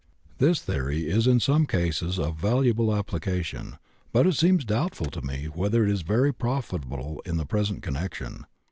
This theory is in some cases of valuable application, but it seems doubtful to me whether it is very profitable in the present connection.